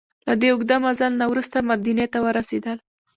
له دې اوږده مزل نه وروسته مدینې ته ورسېدل.